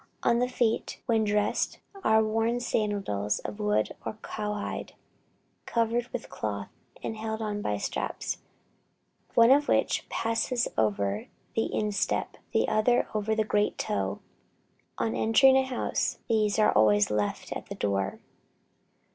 On the feet, when dressed, are worn sandals of wood or cowhide, covered with cloth, and held on by straps, one of which passes over the instep, the other over the great toe. On entering a house, these are always left at the door.